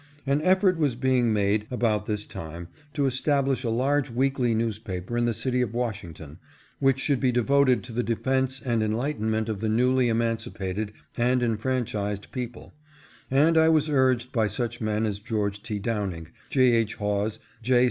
An effort was being made about this time to establish a large weekly newspaper in the city of Washington, which should be devoted to the defence and enlightenment of the newly emancipated and enfranchised people ; and I was urged by such men as George T. Downing, J. H. Hawes, J.